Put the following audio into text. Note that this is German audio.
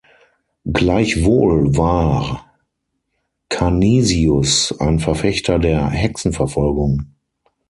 Gleichwohl war Canisius ein Verfechter der Hexenverfolgung.